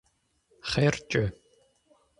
Хъеркӏэ!